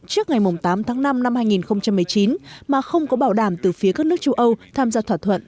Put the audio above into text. trước ngày tám tháng năm năm hai nghìn một mươi chín mà không có bảo đảm từ phía các nước châu âu tham gia thỏa thuận